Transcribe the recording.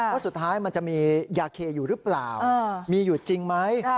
ว่าสุดท้ายมันจะมียาเคอยู่หรือเปล่ามีอยู่จริงไหม